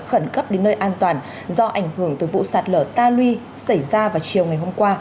khẩn cấp đến nơi an toàn do ảnh hưởng từ vụ sạt lở ta luy xảy ra vào chiều ngày hôm qua